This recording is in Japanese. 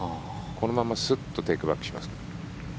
このままスッとテイクバックしますから。